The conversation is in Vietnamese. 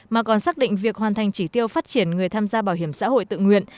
mà còn xác định việc hoàn thành chỉ tiêu phát triển người tham gia bảo hiểm xã hội tự nguyện